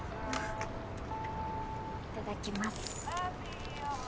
いただきます